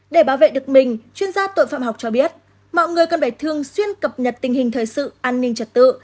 để bảo vệ được mình chuyên gia tội phạm học cho biết mọi người cần phải thường xuyên cập nhật tình hình thời sự an ninh trật tự